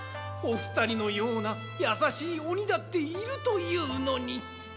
おふたりのようなやさしいおにだっているというのに。